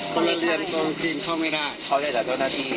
คนละเรือนกลางคืนเข้าไม่ได้เข้าได้แต่เจ้าหน้าที่